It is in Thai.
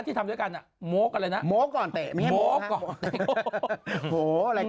ที่ทำด้วยกันอ่ะโม๊กอะไรนะโม๊กก่อนเตะโม๊กก่อนเตะโอ้โห